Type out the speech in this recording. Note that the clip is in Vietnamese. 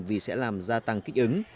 vì sẽ làm gia tăng kích ứng